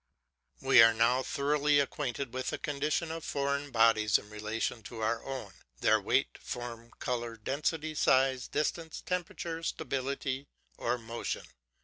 We are now thoroughly acquainted with the condition of foreign bodies in relation to our own, their weight, form, colour, density, size, distance, temperature, stability, or motion.